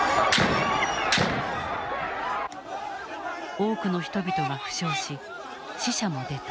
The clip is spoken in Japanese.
多くの人々が負傷し死者も出た。